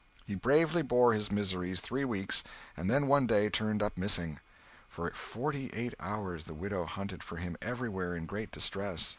He bravely bore his miseries three weeks, and then one day turned up missing. For forty eight hours the widow hunted for him everywhere in great distress.